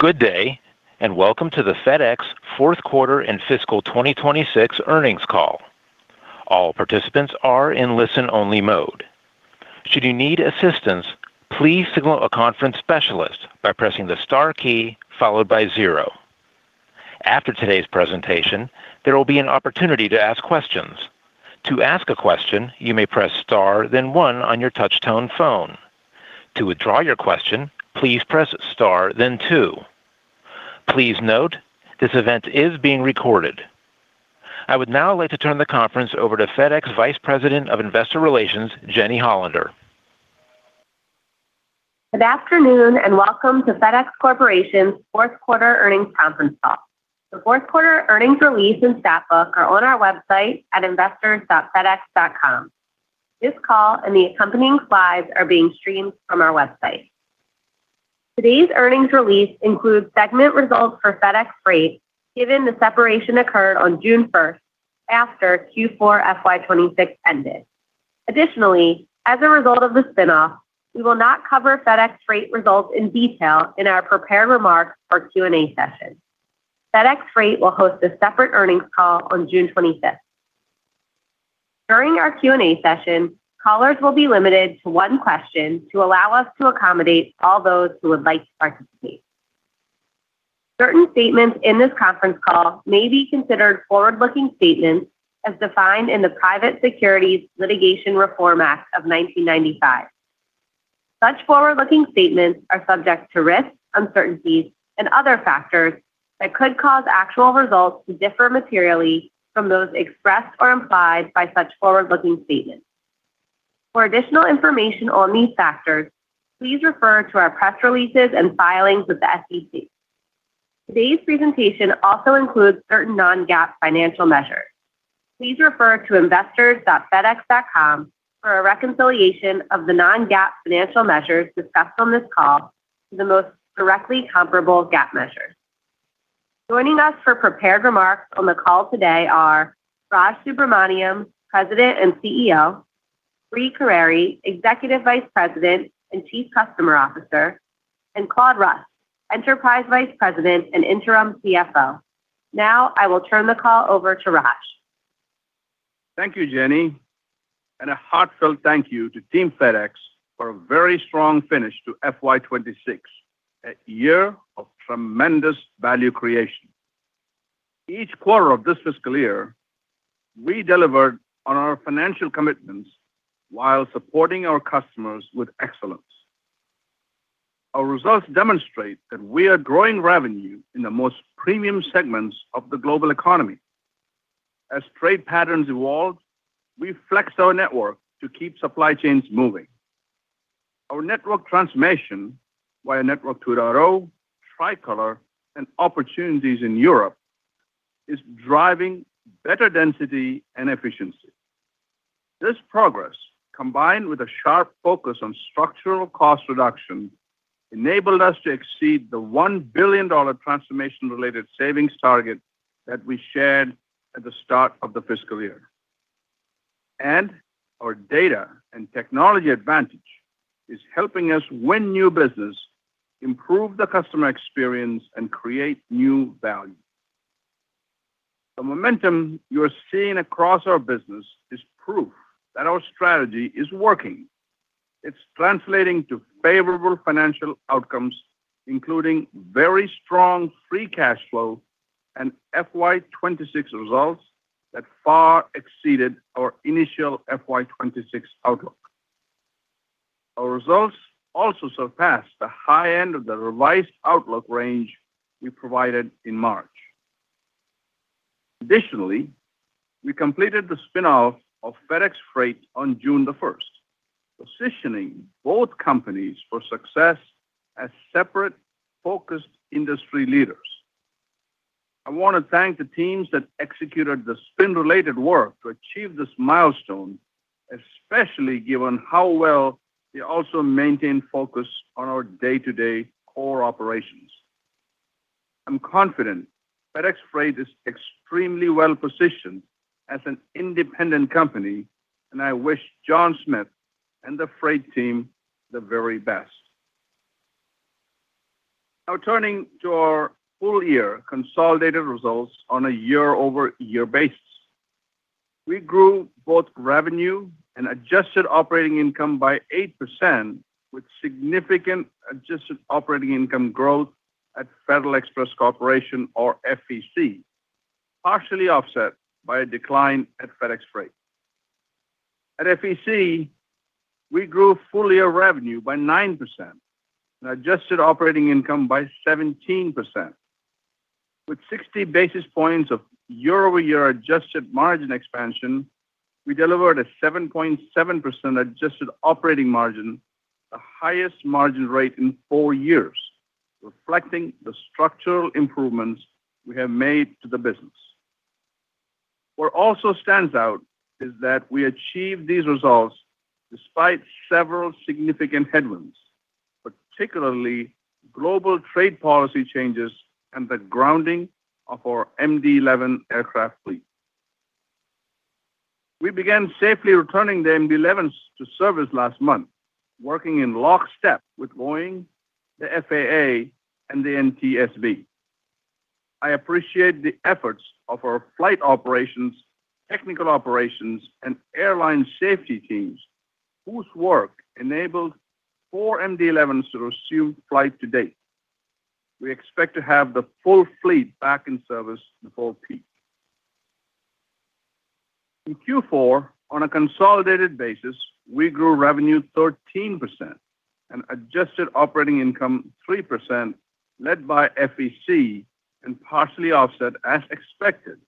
Good day, welcome to the FedEx fourth quarter and fiscal 2026 earnings call. All participants are in listen-only mode. Should you need assistance, please signal a conference specialist by pressing the star key followed by zero. After today's presentation, there will be an opportunity to ask questions. To ask a question, you may press star then one on your touch-tone phone. To withdraw your question, please press star then two. Please note, this event is being recorded. I would now like to turn the conference over to FedEx Vice President of Investor Relations, Jeni Hollander. Good afternoon, welcome to FedEx Corporation's fourth quarter earnings conference call. The fourth quarter earnings release and stat book are on our website at investors.fedex.com. This call and the accompanying slides are being streamed from our website. Today's earnings release includes segment results for FedEx Freight given the separation occurred on June 1, after Q4 FY 2026 ended. Additionally, as a result of the spinoff, we will not cover FedEx Freight results in detail in our prepared remarks or Q&A session. FedEx Freight will host a separate earnings call on June 25. During our Q&A session, callers will be limited to one question to allow us to accommodate all those who would like to participate. Certain statements in this conference call may be considered forward-looking statements as defined in the Private Securities Litigation Reform Act of 1995. Such forward-looking statements are subject to risks, uncertainties, and other factors that could cause actual results to differ materially from those expressed or implied by such forward-looking statements. For additional information on these factors, please refer to our press releases and filings with the SEC. Today's presentation also includes certain non-GAAP financial measures. Please refer to investors.fedex.com for a reconciliation of the non-GAAP financial measures discussed on this call to the most directly comparable GAAP measures. Joining us for prepared remarks on the call today are Raj Subramaniam, President and CEO; Brie Carere, Executive Vice President and Chief Customer Officer; and Claude Russ, Enterprise Vice President and Interim CFO. I will turn the call over to Raj. Thank you, Jeni. A heartfelt thank you to Team FedEx for a very strong finish to FY 2026, a year of tremendous value creation. Each quarter of this fiscal year, we delivered on our financial commitments while supporting our customers with excellence. Our results demonstrate that we are growing revenue in the most premium segments of the global economy. As trade patterns evolved, we flexed our network to keep supply chains moving. Our network transformation, via Network 2.0, Tricolor, and opportunities in Europe, is driving better density and efficiency. This progress, combined with a sharp focus on structural cost reduction, enabled us to exceed the $1 billion transformation-related savings target that we shared at the start of the fiscal year. Our data and technology advantage is helping us win new business, improve the customer experience, and create new value. The momentum you're seeing across our business is proof that our strategy is working. It's translating to favorable financial outcomes, including very strong free cash flow and FY 2026 results that far exceeded our initial FY 2026 outlook. Our results also surpassed the high end of the revised outlook range we provided in March. Additionally, we completed the spinoff of FedEx Freight on June 1st, positioning both companies for success as separate, focused industry leaders. I want to thank the teams that executed the spin-related work to achieve this milestone, especially given how well they also maintained focus on our day-to-day core operations. I'm confident FedEx Freight is extremely well-positioned as an independent company, and I wish John Smith and the Freight team the very best. Now turning to our full-year consolidated results on a year-over-year basis. We grew both revenue and adjusted operating income by 8%, with significant adjusted operating income growth at Federal Express Corporation or FEC, partially offset by a decline at FedEx Freight. At FEC, we grew full-year revenue by 9% and adjusted operating income by 17%. With 60 basis points of year-over-year adjusted margin expansion, we delivered a 7.7% adjusted operating margin, the highest margin rate in four years, reflecting the structural improvements we have made to the business. What also stands out is that we achieved these results despite several significant headwinds, particularly global trade policy changes and the grounding of our MD-11 aircraft fleet. We began safely returning the MD-11s to service last month, working in lockstep with Boeing, the FAA, and the NTSB. I appreciate the efforts of our flight operations, technical operations, and airline safety teams, whose work enabled four MD-11s to resume flight to date. We expect to have the full fleet back in service before peak. In Q4, on a consolidated basis, we grew revenue 13% and adjusted operating income 3%, led by FEC and partially offset as expected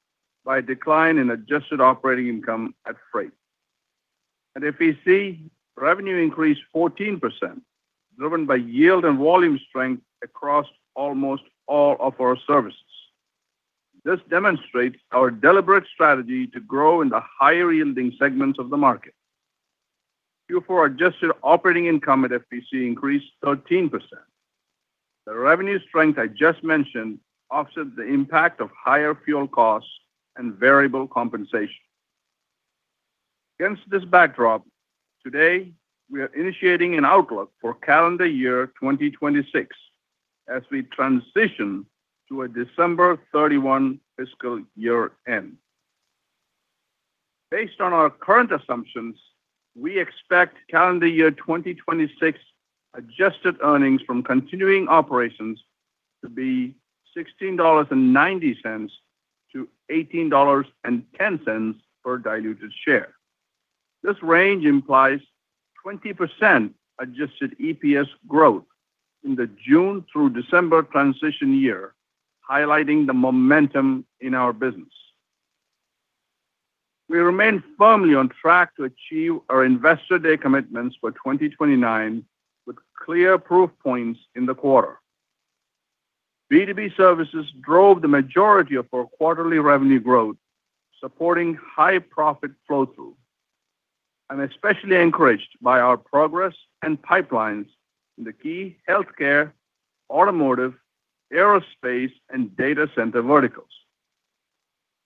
by a decline in adjusted operating income at Freight. At FEC, revenue increased 14%, driven by yield and volume strength across almost all of our services. This demonstrates our deliberate strategy to grow in the higher-yielding segments of the market. Q4 adjusted operating income at FEC increased 13%. The revenue strength I just mentioned offset the impact of higher fuel costs and variable compensation. Against this backdrop, today we are initiating an outlook for calendar year 2026 as we transition to a December 31 fiscal year end. Based on our current assumptions, we expect calendar year 2026 adjusted earnings from continuing operations to be $16.90-$18.10 per diluted share. This range implies 20% adjusted EPS growth in the June through December transition year, highlighting the momentum in our business. We remain firmly on track to achieve our Investor Day commitments for 2029 with clear proof points in the quarter. B2B services drove the majority of our quarterly revenue growth, supporting high profit flow-through. I'm especially encouraged by our progress and pipelines in the key healthcare, automotive, aerospace, and data center verticals.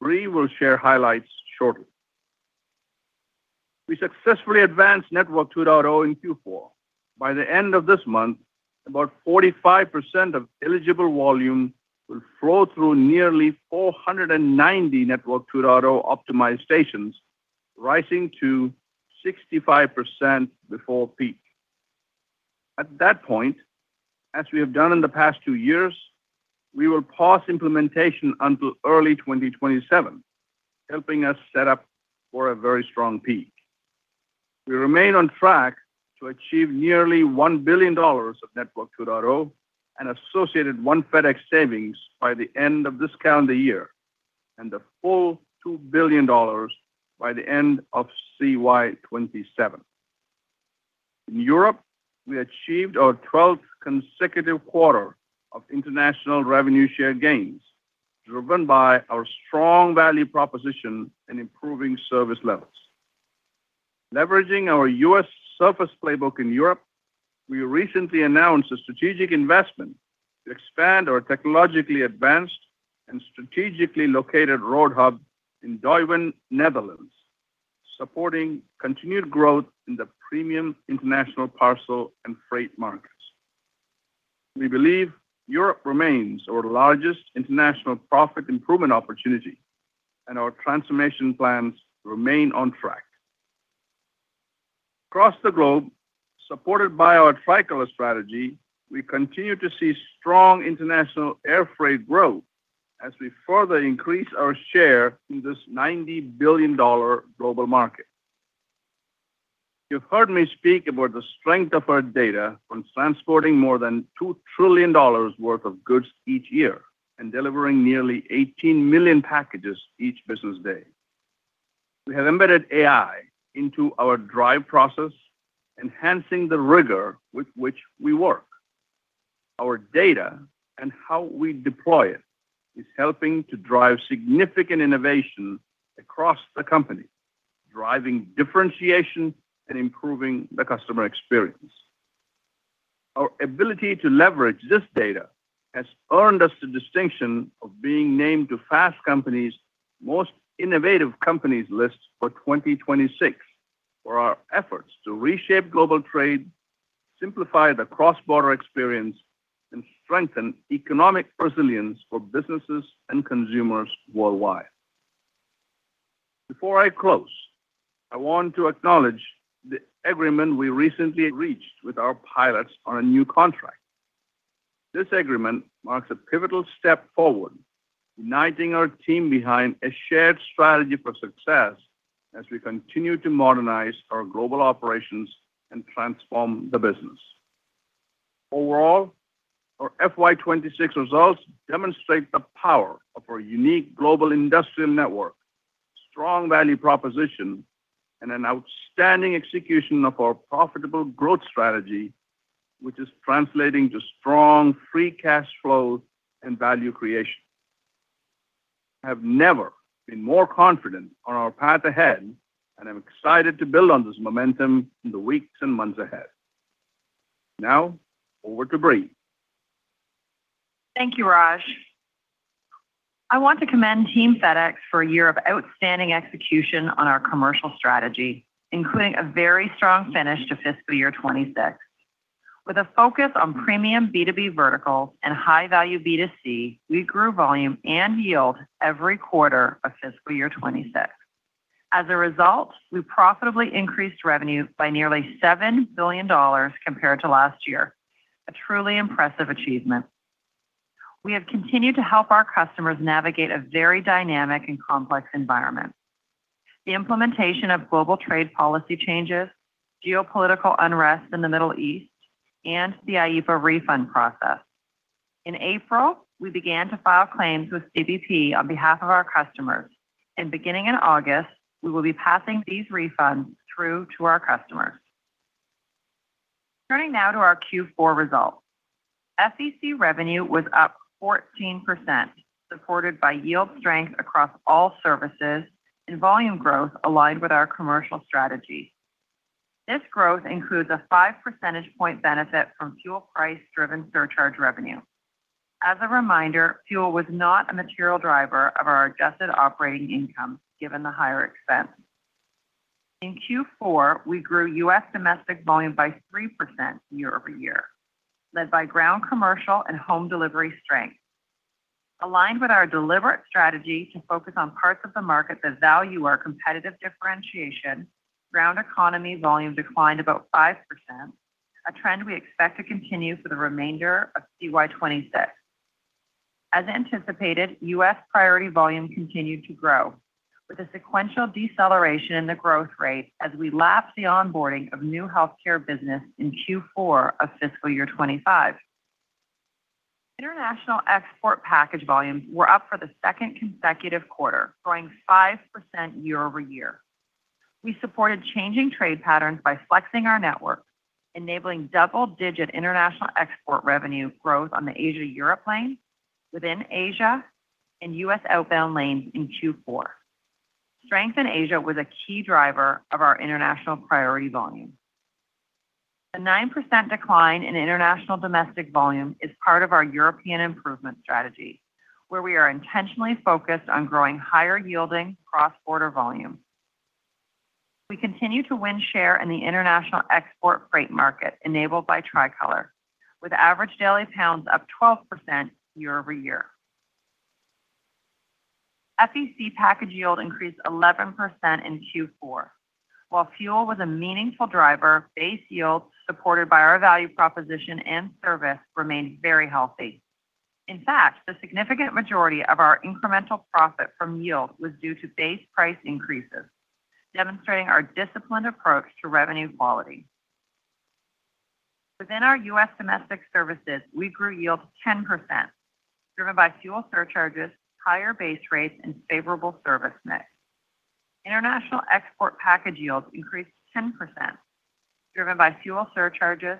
Brie will share highlights shortly. We successfully advanced Network 2.0 in Q4. By the end of this month, about 45% of eligible volume will flow through nearly 490 Network 2.0 optimized stations, rising to 65% before peak. At that point, as we have done in the past two years, we will pause implementation until early 2027, helping us set up for a very strong peak. We remain on track to achieve $1 billion of Network 2.0 and associated One FedEx savings by the end of this calendar year, and the full $2 billion by the end of CY 2027. In Europe, we achieved our 12th consecutive quarter of international revenue share gains, driven by our strong value proposition and improving service levels. Leveraging our U.S. surface playbook in Europe, we recently announced a strategic investment to expand our technologically advanced and strategically located road hub in Duiven, Netherlands, supporting continued growth in the premium international parcel and freight markets. We believe Europe remains our largest international profit improvement opportunity, and our transformation plans remain on track. Across the globe, supported by our Tricolor strategy, we continue to see strong international air freight growth as we further increase our share in this $90 billion global market. You've heard me speak about the strength of our data when transporting more than $2 trillion worth of goods each year and delivering nearly 18 million packages each business day. We have embedded AI into our drive process, enhancing the rigor with which we work. Our data and how we deploy it is helping to drive significant innovation across the company, driving differentiation and improving the customer experience. Our ability to leverage this data has earned us the distinction of being named to Fast Company's Most Innovative Companies list for 2026 for our efforts to reshape global trade, simplify the cross-border experience, and strengthen economic resilience for businesses and consumers worldwide. Before I close, I want to acknowledge the agreement we recently reached with our pilots on a new contract. This agreement marks a pivotal step forward, uniting our team behind a shared strategy for success as we continue to modernize our global operations and transform the business. Overall, our FY 2026 results demonstrate the power of our unique global industrial network, strong value proposition, and an outstanding execution of our profitable growth strategy, which is translating to strong free cash flow and value creation. I have never been more confident on our path ahead, and I'm excited to build on this momentum in the weeks and months ahead. Now, over to Brie. Thank you, Raj. I want to commend Team FedEx for a year of outstanding execution on our commercial strategy, including a very strong finish to fiscal year 2026. With a focus on premium B2B vertical and high-value B2C, we grew volume and yield every quarter of fiscal year 2026. As a result, we profitably increased revenue by $7 billion compared to last year. A truly impressive achievement. We have continued to help our customers navigate a very dynamic and complex environment. The implementation of global trade policy changes, geopolitical unrest in the Middle East, and the IEEPA refund process. In April, we began to file claims with CBP on behalf of our customers, and beginning in August, we will be passing these refunds through to our customers. Turning now to our Q4 results. FEC revenue was up 14%, supported by yield strength across all services and volume growth aligned with our commercial strategy. This growth includes a 5 percentage point benefit from fuel price-driven surcharge revenue. As a reminder, fuel was not a material driver of our adjusted operating income, given the higher expense. In Q4, we grew U.S. domestic volume by 3% year-over-year, led by Ground Commercial and Home Delivery strength. Aligned with our deliberate strategy to focus on parts of the market that value our competitive differentiation, FedEx Ground Economy volume declined about 5%, a trend we expect to continue for the remainder of FY 2026. As anticipated, U.S. priority volume continued to grow, with a sequential deceleration in the growth rate as we lap the onboarding of new healthcare business in Q4 of fiscal year 2025. International export package volumes were up for the second consecutive quarter, growing 5% year-over-year. We supported changing trade patterns by flexing our network, enabling double-digit international export revenue growth on the Asia-Europe lane, within Asia and U.S. outbound lanes in Q4. Strength in Asia was a key driver of our international priority volume. A 9% decline in international domestic volume is part of our European improvement strategy, where we are intentionally focused on growing higher-yielding cross-border volume. We continue to win share in the international export freight market enabled by Tricolor, with average daily pounds up 12% year-over-year. FEC package yield increased 11% in Q4. While fuel was a meaningful driver, base yield supported by our value proposition and service remained very healthy. In fact, the significant majority of our incremental profit from yield was due to base price increases, demonstrating our disciplined approach to revenue quality. Within our U.S. domestic services, we grew yield 10%, driven by fuel surcharges, higher base rates, and favorable service mix. International export package yields increased 10%, driven by fuel surcharges,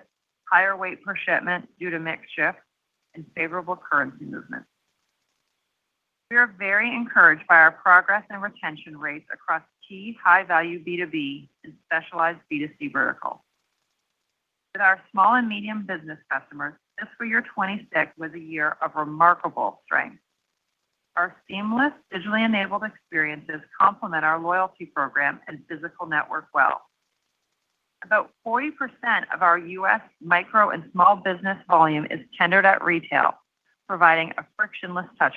higher weight per shipment due to mix shift, and favorable currency movements. We are very encouraged by our progress and retention rates across key high-value B2B and specialized B2C verticals. With our small and medium business customers, fiscal year 2026 was a year of remarkable strength. Our seamless digitally-enabled experiences complement our loyalty program and physical network well. About 40% of our U.S. micro and small business volume is tendered at retail, providing a frictionless touch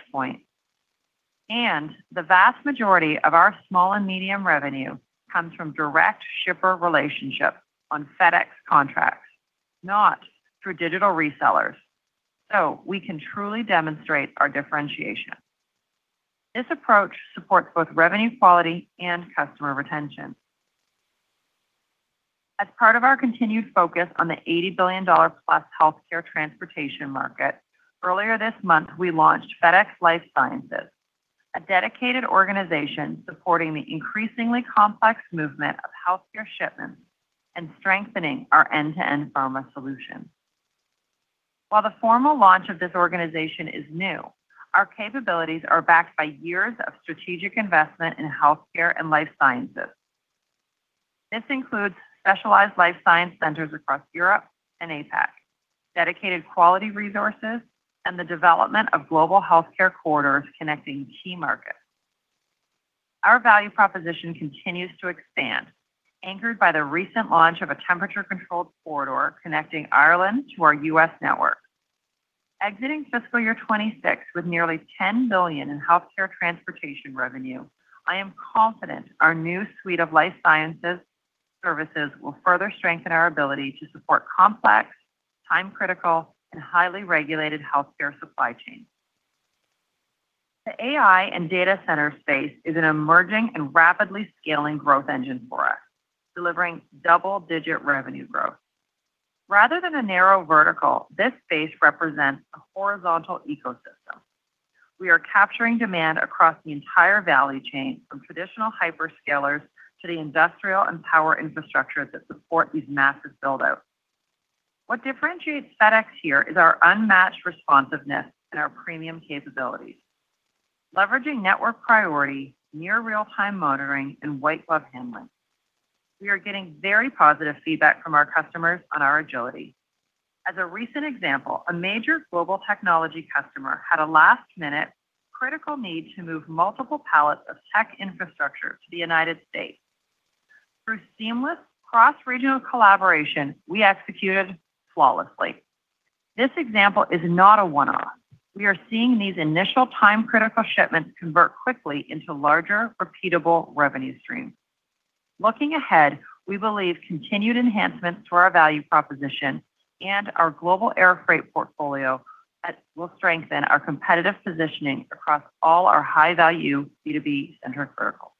point. The vast majority of our small and medium revenue comes from direct shipper relationships on FedEx contracts, not through digital resellers. So we can truly demonstrate our differentiation. This approach supports both revenue quality and customer retention. As part of our continued focus on the $80+ billion healthcare transportation market, earlier this month, we launched FedEx Life Sciences, a dedicated organization supporting the increasingly complex movement of healthcare shipments and strengthening our end-to-end pharma solution. While the formal launch of this organization is new, our capabilities are backed by years of strategic investment in healthcare and life sciences. This includes specialized Life Science Centers across Europe and APAC, dedicated quality resources, and the development of global healthcare corridors connecting key markets. Our value proposition continues to expand, anchored by the recent launch of a temperature-controlled corridor connecting Ireland to our U.S. network. Exiting fiscal year 2026 with nearly $10 billion in healthcare transportation revenue, I am confident our new suite of life sciences services will further strengthen our ability to support complex, time-critical, and highly regulated healthcare supply chains. The AI and data center space is an emerging and rapidly scaling growth engine for us, delivering double-digit revenue growth. Rather than a narrow vertical, this space represents a horizontal ecosystem. We are capturing demand across the entire value chain, from traditional hyperscalers to the industrial and power infrastructure that support these massive build-outs. What differentiates FedEx here is our unmatched responsiveness and our premium capabilities Leveraging network priority, near real-time monitoring, and white glove handling. We are getting very positive feedback from our customers on our agility. As a recent example, a major global technology customer had a last-minute critical need to move multiple pallets of tech infrastructure to the U.S. Through seamless cross-regional collaboration, we executed flawlessly. This example is not a one-off. We are seeing these initial time-critical shipments convert quickly into larger, repeatable revenue streams. Looking ahead, we believe continued enhancements to our value proposition and our global air freight portfolio will strengthen our competitive positioning across all our high-value B2B-centered verticals.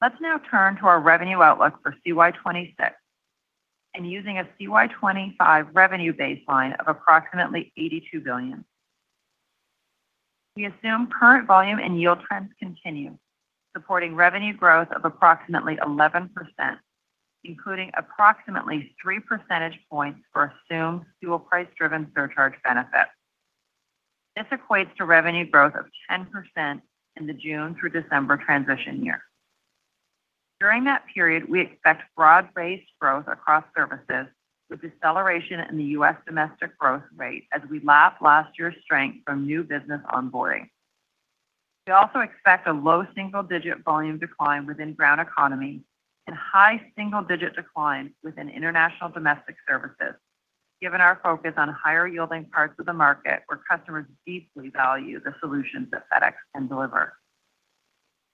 Let's now turn to our revenue outlook for CY 2026 and using a CY 2025 revenue baseline of approximately $82 billion. We assume current volume and yield trends continue, supporting revenue growth of approximately 11%, including approximately three percentage points for assumed fuel price-driven surcharge benefit. This equates to revenue growth of 10% in the June through December transition year. During that period, we expect broad-based growth across services with deceleration in the U.S. domestic growth rate as we lap last year's strength from new business onboarding. We also expect a low single-digit volume decline within FedEx Ground Economy and high single-digit decline within international domestic services, given our focus on higher yielding parts of the market where customers deeply value the solutions that FedEx can deliver.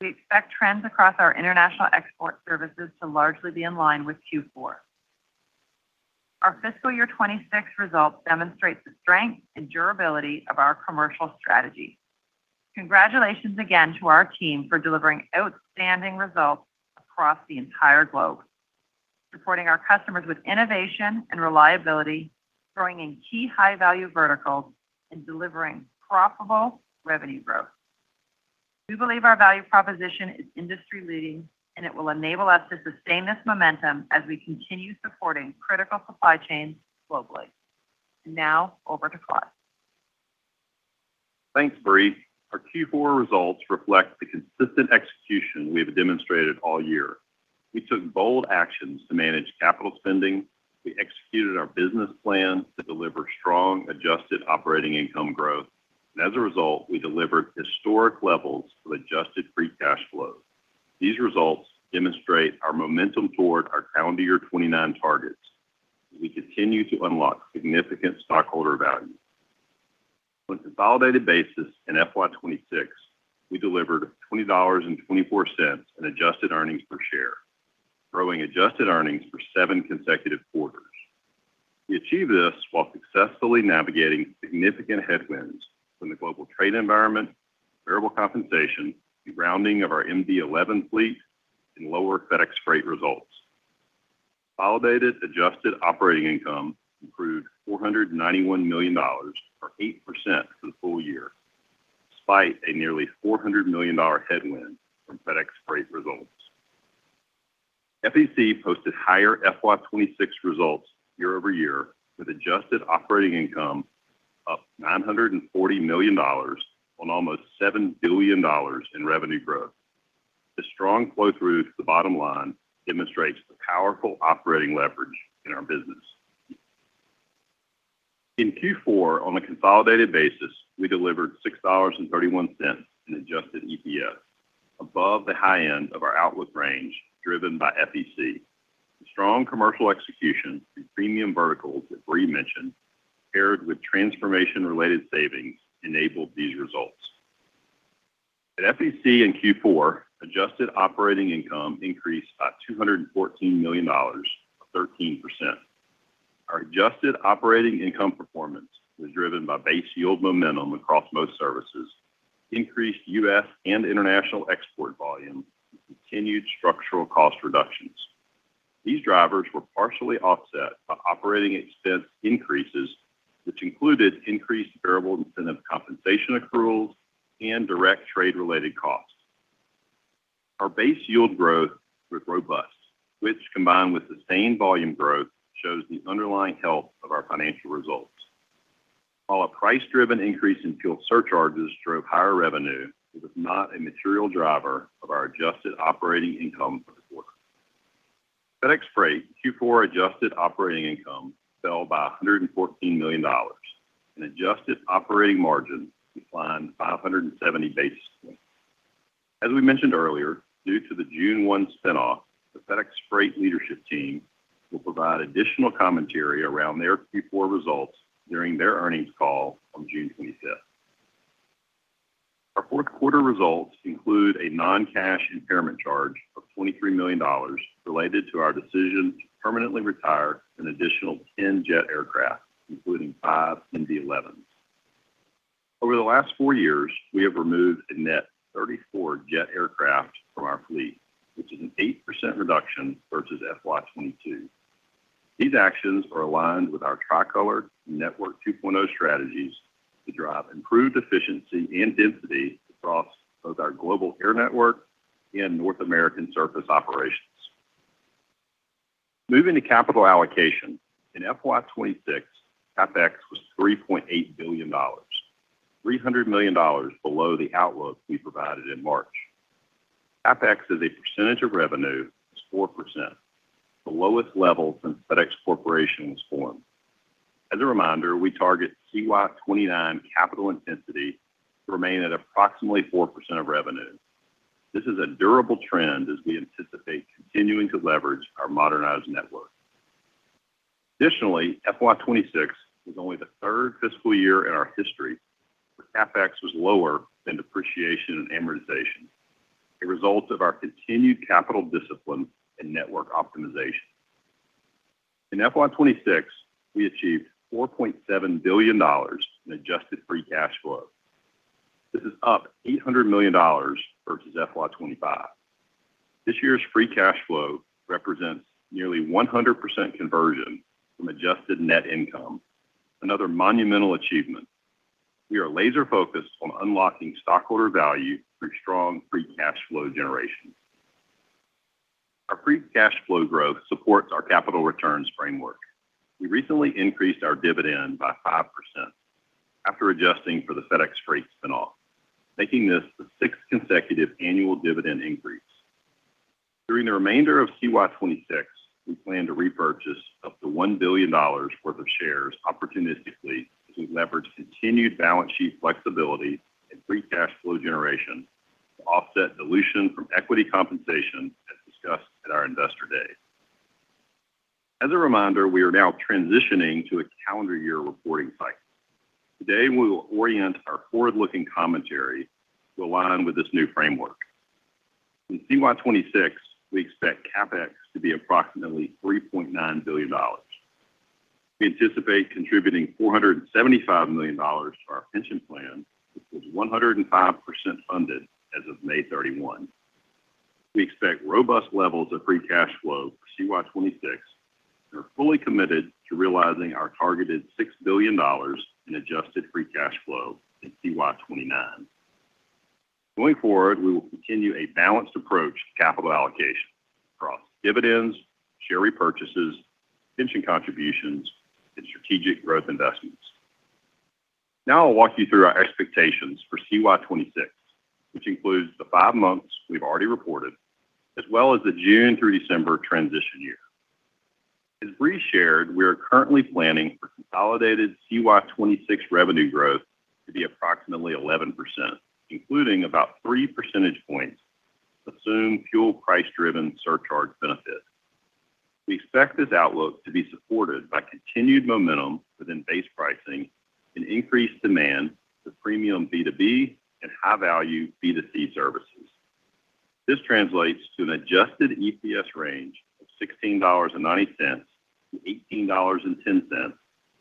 We expect trends across our international export services to largely be in line with Q4. Our fiscal year 2026 results demonstrate the strength and durability of our commercial strategy. Congratulations again to our Team FedEx for delivering outstanding results across the entire globe, supporting our customers with innovation and reliability, growing in key high-value verticals and delivering profitable revenue growth. We believe our value proposition is industry-leading, and it will enable us to sustain this momentum as we continue supporting critical supply chains globally. Now over to Claude. Thanks, Brie. Our Q4 results reflect the consistent execution we have demonstrated all year. We took bold actions to manage capital spending. We executed our business plan to deliver strong adjusted operating income growth. As a result, we delivered historic levels of adjusted free cash flow. These results demonstrate our momentum toward our calendar year 2029 targets. We continue to unlock significant stockholder value. On consolidated basis in FY 2026, we delivered $20.24 in adjusted earnings per share, growing adjusted earnings for seven consecutive quarters. We achieved this while successfully navigating significant headwinds from the global trade environment, variable compensation, the grounding of our MD-11 fleet, and lower FedEx Freight results. Consolidated adjusted operating income improved $491 million or 8% for the full year, despite a nearly $400 million headwind from FedEx Freight results. FEC posted higher FY 2026 results year-over-year, with adjusted operating income up $940 million on almost $7 billion in revenue growth. The strong flow-through to the bottom line demonstrates the powerful operating leverage in our business. In Q4, on a consolidated basis, we delivered $6.31 in adjusted EPS above the high end of our outlook range driven by FEC. The strong commercial execution in premium verticals that Brie mentioned, paired with transformation-related savings, enabled these results. At FEC in Q4, adjusted operating income increased by $214 million or 13%. Our adjusted operating income performance was driven by base yield momentum across most services, increased U.S. and international export volume, and continued structural cost reductions. These drivers were partially offset by operating expense increases, which included increased variable incentive compensation accruals and direct trade-related costs. Our base yield growth was robust, which combined with sustained volume growth, shows the underlying health of our financial results. While a price-driven increase in fuel surcharges drove higher revenue, it was not a material driver of our adjusted operating income for the quarter. FedEx Freight Q4 adjusted operating income fell by $114 million and adjusted operating margin declined 570 basis points. As we mentioned earlier, due to the June 1 spinoff, the FedEx Freight leadership team will provide additional commentary around their Q4 results during their earnings call on June 25th. Our fourth quarter results include a non-cash impairment charge of $23 million related to our decision to permanently retire an additional 10 jet aircraft, including 5 MD-11s. Over the last four years, we have removed a net 34 jet aircraft from our fleet, which is an 8% reduction versus FY 2022. These actions are aligned with our Tricolor Network 2.0 strategies to drive improved efficiency and density across both our global air network and North American surface operations. Moving to capital allocation. In FY 2026, CapEx was $3.8 billion, $300 million below the outlook we provided in March. CapEx as a percentage of revenue is 4%, the lowest level since FedEx Corporation was formed. As a reminder, we target CY 2029 capital intensity to remain at approximately 4% of revenue. This is a durable trend as we anticipate continuing to leverage our modernized network. Additionally, FY 2026 was only the third fiscal year in our history where CapEx was lower than depreciation and amortization, a result of our continued capital discipline and network optimization. In FY 2026, we achieved $4.7 billion in adjusted free cash flow. This is up $800 million versus FY 2025. This year's free cash flow represents nearly 100% conversion from adjusted net income, another monumental achievement. We are laser-focused on unlocking stockholder value through strong free cash flow generation. Our free cash flow growth supports our capital returns framework. We recently increased our dividend by 5% after adjusting for the FedEx Freight spin-off, making this the sixth consecutive annual dividend increase. During the remainder of CY 2026, we plan to repurchase up to $1 billion worth of shares opportunistically as we leverage continued balance sheet flexibility and free cash flow generation to offset dilution from equity compensation, as discussed at our Investor Day. As a reminder, we are now transitioning to a calendar year reporting cycle. Today, we will orient our forward-looking commentary to align with this new framework. In CY 2026, we expect CapEx to be approximately $3.9 billion. We anticipate contributing $475 million to our pension plan, which was 105% funded as of May 31. We expect robust levels of free cash flow for CY 2026, are fully committed to realizing our targeted $6 billion in adjusted free cash flow in CY 2029. Going forward, we will continue a balanced approach to capital allocation across dividends, share repurchases, pension contributions, and strategic growth investments. Now I'll walk you through our expectations for CY 2026, which includes the five months we've already reported, as well as the June through December transition year. As Brie shared, we are currently planning for consolidated CY 2026 revenue growth to be approximately 11%, including about three percentage points assumed fuel price-driven surcharge benefit. We expect this outlook to be supported by continued momentum within base pricing and increased demand for premium B2B and high-value B2C services. This translates to an adjusted EPS range of $16.90-$18.10,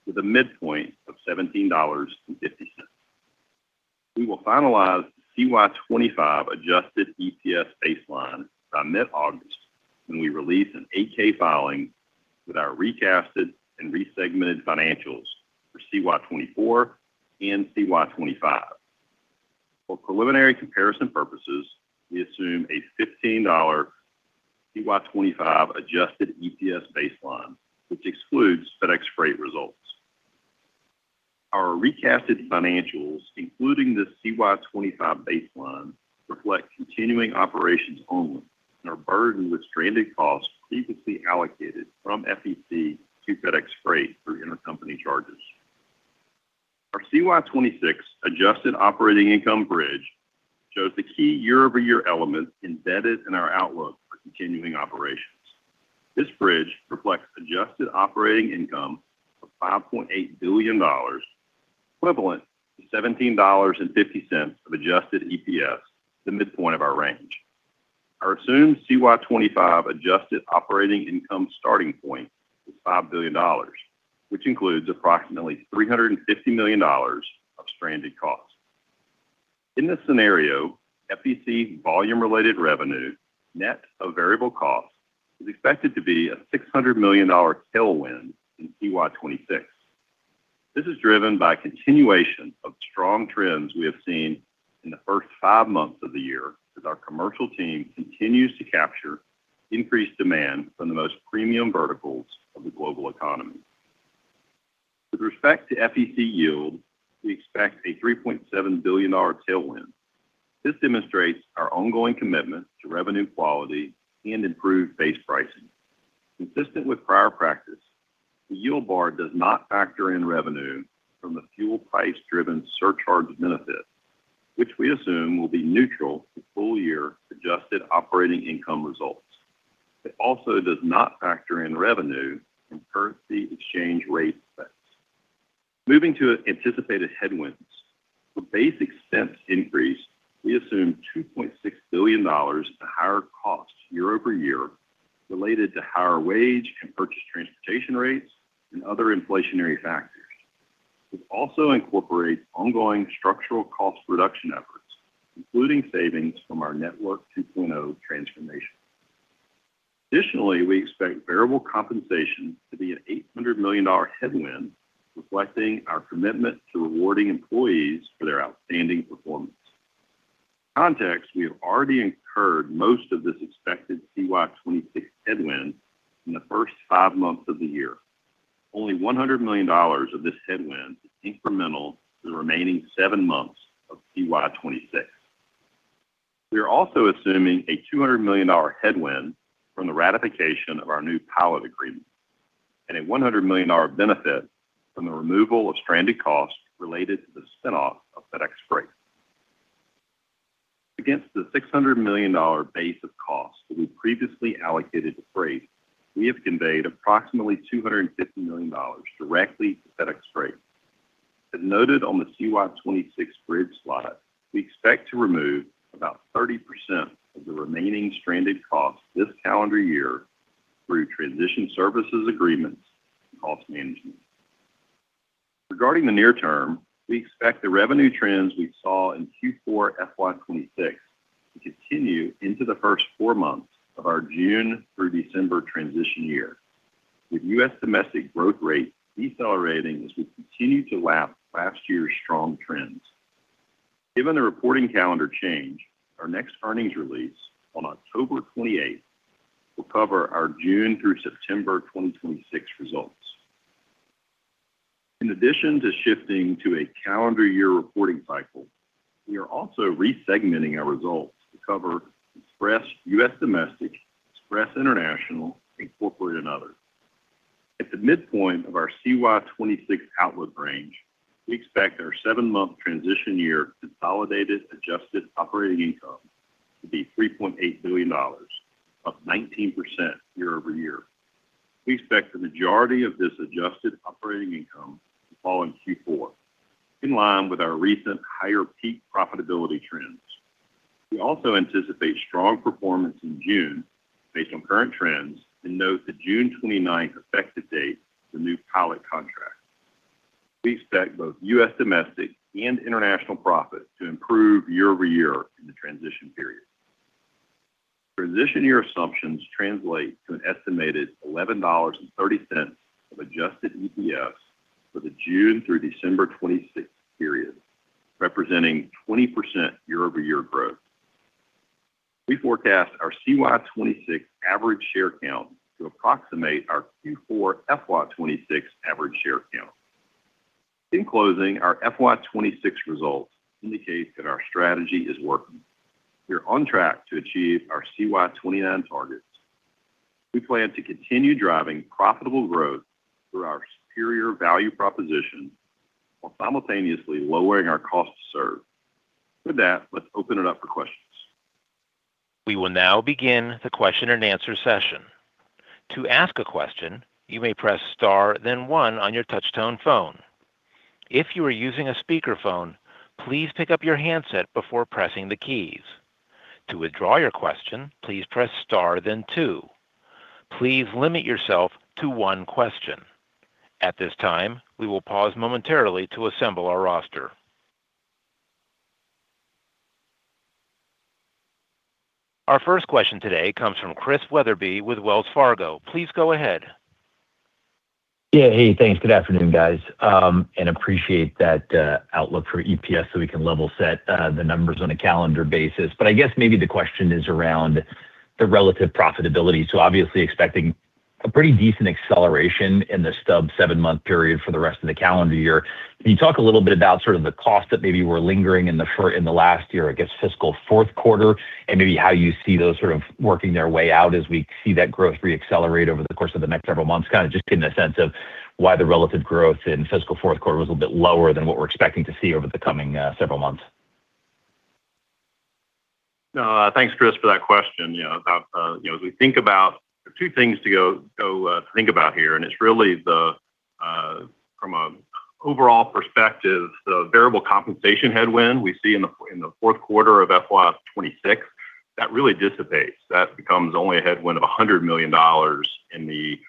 with a midpoint of $17.50. We will finalize the CY 2025 adjusted EPS baseline by mid-August when we release an 8-K filing with our recasted and resegmented financials for CY 2024 and CY 2025. For preliminary comparison purposes, we assume a $15 CY 2025 adjusted EPS baseline, which excludes FedEx Freight results. Our recasted financials, including the CY 2025 baseline, reflect continuing operations only and are burdened with stranded costs previously allocated from FEC to FedEx Freight through intercompany charges. Our CY 2026 adjusted operating income bridge shows the key year-over-year elements embedded in our outlook for continuing operations. This bridge reflects adjusted operating income of $5.8 billion, equivalent to $17.50 of adjusted EPS, the midpoint of our range. Our assumed CY 2025 adjusted operating income starting point was $5 billion, which includes approximately $350 million of stranded costs. In this scenario, FEC volume-related revenue, net of variable costs, is expected to be a $600 million tailwind in CY 2026. This is driven by a continuation of strong trends we have seen in the first five months of the year as our commercial team continues to capture increased demand from the most premium verticals of the global economy. With respect to FEC yield, we expect a $3.7 billion tailwind. This demonstrates our ongoing commitment to revenue quality and improved base pricing. Consistent with prior practice, the yield bar does not factor in revenue from the fuel price-driven surcharge benefit, which we assume will be neutral to full-year adjusted operating income results. It also does not factor in revenue from currency exchange rate effects. Moving to anticipated headwinds. For base expense increase, we assume $2.6 billion at a higher cost year-over-year related to higher wage and purchase transportation rates and other inflationary factors. This also incorporates ongoing structural cost reduction efforts, including savings from our Network 2.0 transformation. Additionally, we expect variable compensation to be an $800 million headwind, reflecting our commitment to rewarding employees for their outstanding performance. Context, we have already incurred most of this expected CY 2026 headwind in the first five months of the year. Only $100 million of this headwind is incremental to the remaining seven months of CY 2026. We are also assuming a $200 million headwind from the ratification of our new pilot agreement and a $100 million benefit from the removal of stranded costs related to the spin-off of FedEx Freight. Against the $600 million base of costs that we previously allocated to Freight, we have conveyed approximately $250 million directly to FedEx Freight. As noted on the CY 2026 bridge slide, we expect to remove about 30% of the remaining stranded costs this calendar year through transition services agreements and cost management. Regarding the near term, we expect the revenue trends we saw in Q4 FY 2026 to continue into the first four months of our June through December transition year, with U.S. domestic growth rate decelerating as we continue to lap last year's strong trends. Given the reporting calendar change, our next earnings release on October 28th will cover our June through September 2026 results. In addition to shifting to a calendar year reporting cycle, we are also re-segmenting our results to cover Express U.S. Domestic, Express International, Corporate and others. At the midpoint of our CY 2026 outlook range, we expect our seven-month transition year consolidated adjusted operating income to be $3.8 billion, up 19% year-over-year. We expect the majority of this adjusted operating income to fall in Q4, in line with our recent higher peak profitability trends. We also anticipate strong performance in June based on current trends, and note the June 29th effective date of the new pilot contract. We expect both U.S. domestic and international profits to improve year-over-year in the transition period. Transition year assumptions translate to an estimated $11.30 of adjusted EPS for the June through December 2026 period, representing 20% year-over-year growth. We forecast our CY 2026 average share count to approximate our Q4 FY 2026 average share count. In closing, our FY 2026 results indicate that our strategy is working. We are on track to achieve our CY 2029 targets. We plan to continue driving profitable growth through our superior value proposition while simultaneously lowering our cost to serve. With that, let's open it up for questions. We will now begin the question-and-answer session. To ask a question, you may press star then one on your touch-tone phone. If you are using a speakerphone, please pick up your handset before pressing the keys. To withdraw your question, please press star then two. Please limit yourself to one question. At this time, we will pause momentarily to assemble our roster. Our first question today comes from Chris Wetherbee with Wells Fargo. Please go ahead. Hey, thanks. Good afternoon, guys. Appreciate that outlook for EPS so we can level set the numbers on a calendar basis. I guess maybe the question is around the relative profitability. Obviously expecting a pretty decent acceleration in the stubbed seven-month period for the rest of the calendar year. Can you talk a little bit about sort of the cost that maybe were lingering in the last year, I guess, fiscal fourth quarter, and maybe how you see those sort of working their way out as we see that growth re-accelerate over the course of the next several months. Kind of just getting a sense of why the relative growth in fiscal fourth quarter was a bit lower than what we're expecting to see over the coming several months. Thanks, Chris, for that question. There are two things to think about here. It's really from an overall perspective, the variable compensation headwind we see in the fourth quarter of FY 2026, that really dissipates. That becomes only a headwind of $100 million in the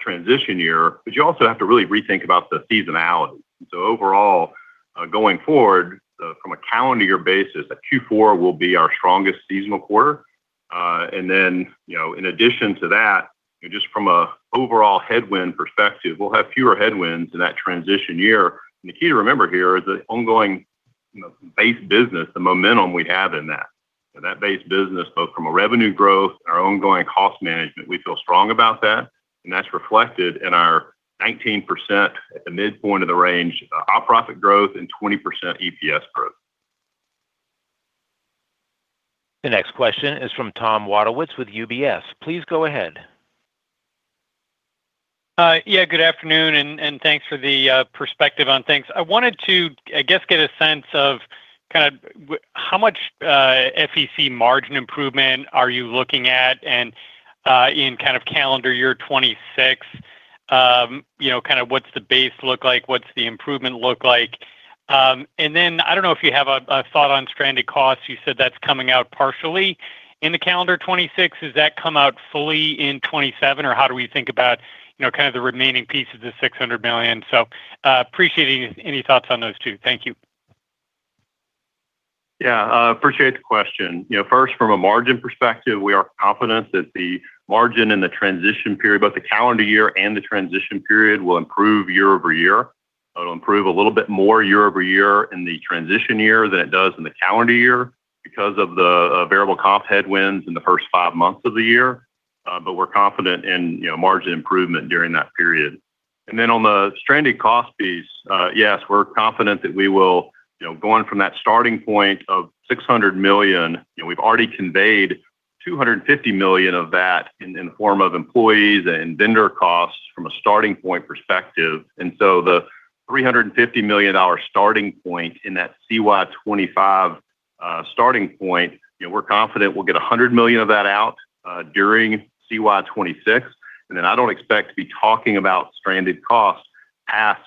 transition year. You also have to really rethink about the seasonality. Overall, going forward from a calendar year basis, that Q4 will be our strongest seasonal quarter. In addition to that, just from an overall headwind perspective, we'll have fewer headwinds in that transition year. The key to remember here is the ongoing base business, the momentum we have in that. That base business, both from a revenue growth and our ongoing cost management, we feel strong about that, and that's reflected in our 19% at the midpoint of the range, op profit growth and 20% EPS growth. The next question is from Tom Wadewitz with UBS. Please go ahead. Good afternoon. Thanks for the perspective on things. I wanted to, I guess, get a sense of how much FEC margin improvement are you looking at in kind of calendar year 2026, what's the base look like? What's the improvement look like? I don't know if you have a thought on stranded costs. You said that's coming out partially in the calendar 2026. Does that come out fully in 2027, or how do we think about kind of the remaining piece of the $600 million? Appreciating any thoughts on those two. Thank you. Appreciate the question. First, from a margin perspective, we are confident that the margin in the transition period, both the calendar year and the transition period, will improve year-over-year. It'll improve a little bit more year-over-year in the transition year than it does in the calendar year because of the variable comp headwinds in the first five months of the year. We're confident in margin improvement during that period. On the stranded cost piece, yes, we're confident that we will, going from that starting point of $600 million, we've already conveyed $250 million of that in form of employees and vendor costs from a starting point perspective. The $350 million starting point in that CY 2025 starting point, we're confident we'll get $100 million of that out during CY 2026. I don't expect to be talking about stranded costs past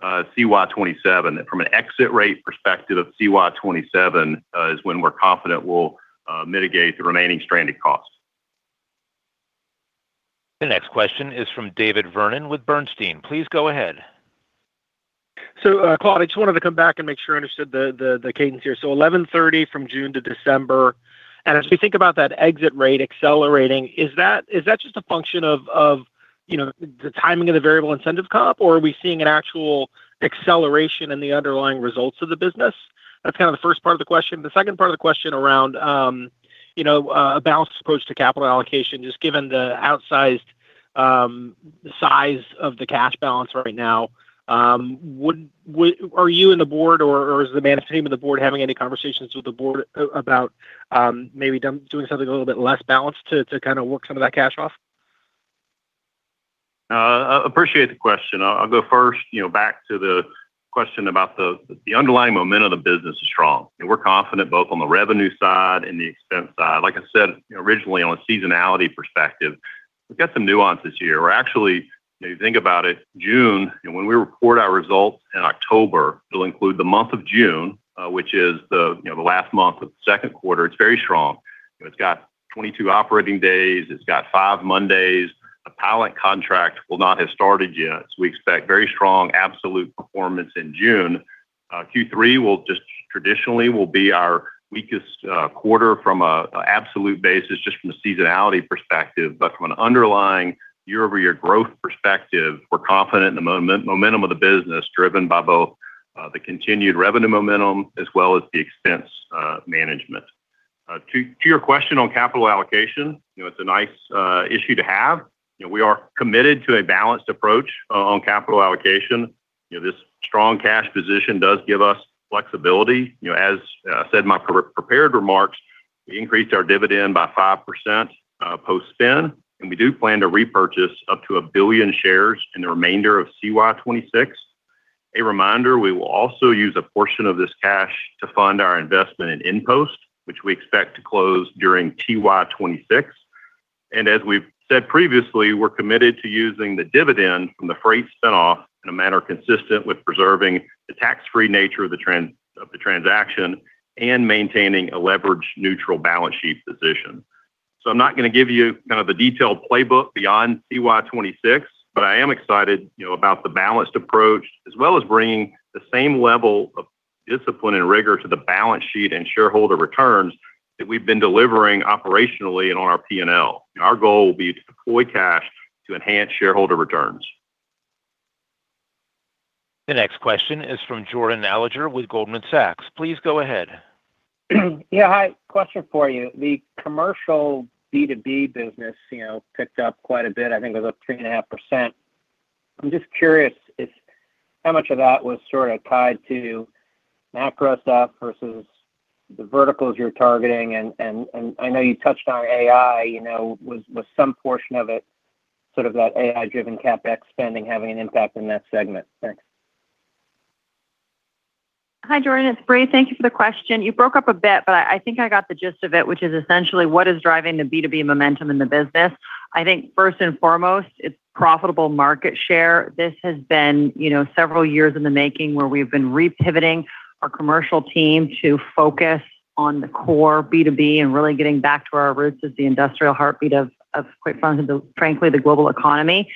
CY 2027. From an exit rate perspective of CY 2027 is when we're confident we'll mitigate the remaining stranded costs. The next question is from David Vernon with Bernstein. Please go ahead. Claude, I just wanted to come back and make sure I understood the cadence here. 1,130 from June to December. As we think about that exit rate accelerating, is that just a function of the timing of the variable incentive comp, or are we seeing an actual acceleration in the underlying results of the business? That's kind of the first part of the question. The second part of the question around a balanced approach to capital allocation, just given the size of the cash balance right now, are you and the board or is the management of the board having any conversations with the board about maybe doing something a little bit less balanced to kind of work some of that cash off? I appreciate the question. I'll go first back to the question about the underlying momentum of business is strong. We're confident both on the revenue side and the expense side. Like I said originally on a seasonality perspective, we've got some nuances here. We're actually, when you think about it, June and when we report our results in October, it'll include the month of June, which is the last month of the second quarter. It's very strong. It's got 22 operating days. It's got five Mondays. The pilot contract will not have started yet. We expect very strong absolute performance in June. Q3 will traditionally be our weakest quarter from an absolute basis, just from a seasonality perspective. From an underlying year-over-year growth perspective, we're confident in the momentum of the business driven by both the continued revenue momentum as well as the expense management. To your question on capital allocation, it's a nice issue to have. We are committed to a balanced approach on capital allocation. This strong cash position does give us flexibility. As I said in my prepared remarks, I increased our dividend by 5% post-spin, and we do plan to repurchase up to 1 billion shares in the remainder of CY 2026. A reminder, we will also use a portion of this cash to fund our investment in InPost, which we expect to close during TY 2026. As we've said previously, we're committed to using the dividend from the Freight spin-off in a manner consistent with preserving the tax-free nature of the transaction and maintaining a leverage-neutral balance sheet position. I'm not going to give you kind of the detailed playbook beyond CY 2026, I am excited about the balanced approach, as well as bringing the same level of discipline and rigor to the balance sheet and shareholder returns that we've been delivering operationally and on our P&L. Our goal will be to deploy cash to enhance shareholder returns. The next question is from Jordan Alliger with Goldman Sachs. Please go ahead. Yeah. Hi. Question for you. The commercial B2B business picked up quite a bit, I think it was up 3.5%. I'm just curious how much of that was sort of tied to macro stuff versus the verticals you're targeting, and I know you touched on AI, was some portion of it sort of that AI-driven CapEx spending having an impact in that segment? Thanks. Hi, Jordan, it's Brie. Thank you for the question. You broke up a bit, but I think I got the gist of it, which is essentially what is driving the B2B momentum in the business. I think first and foremost, it's profitable market share. This has been several years in the making where we've been repivoting our commercial team to focus on the core B2B and really getting back to our roots as the industrial heartbeat of, quite frankly, the global economy.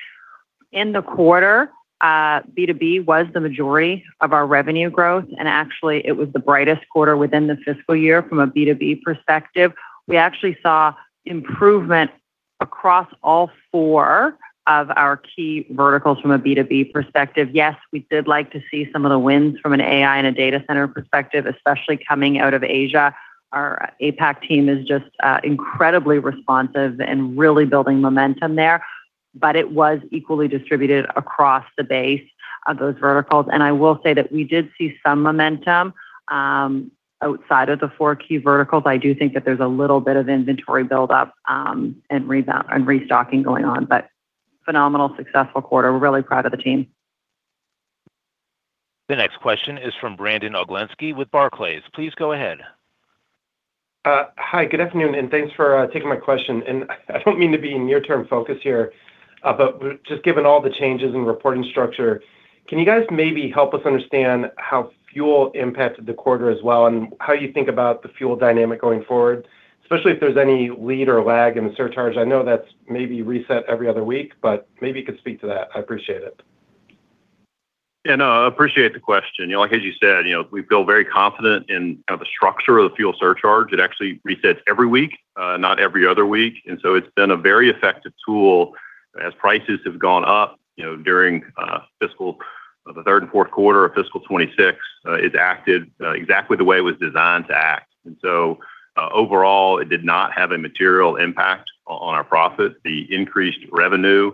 In the quarter, B2B was the majority of our revenue growth, and actually, it was the brightest quarter within the fiscal year from a B2B perspective. We actually saw improvement across all four of our key verticals from a B2B perspective. Yes, we did like to see some of the wins from an AI and a data center perspective, especially coming out of Asia. Our APAC team is just incredibly responsive and really building momentum there. It was equally distributed across the base of those verticals. I will say that we did see some momentum outside of the four key verticals. I do think that there's a little bit of inventory buildup and restocking going on. Phenomenal, successful quarter. We're really proud of the team. The next question is from Brandon Oglenski with Barclays. Please go ahead. Hi, good afternoon, thanks for taking my question. I don't mean to be near term focused here, just given all the changes in reporting structure, can you guys maybe help us understand how fuel impacted the quarter as well and how you think about the fuel dynamic going forward, especially if there's any lead or lag in the surcharge? I know that's maybe reset every other week, maybe you could speak to that. I appreciate it. Yeah, no, I appreciate the question. Like as you said, we feel very confident in the structure of the fuel surcharge. It actually resets every week, not every other week. It's been a very effective tool as prices have gone up during fiscal The third and fourth quarter of FY 2026, it acted exactly the way it was designed to act. Overall, it did not have a material impact on our profit. The increased revenue